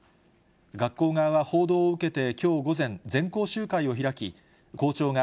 学校側は報道を受けてきょう午前、全校集会を開き、校長が、